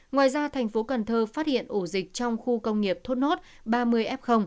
ngoài ra thành phố cần thơ phát hiện ổ dịch trong khu công nghiệp thốt nốt ba mươi f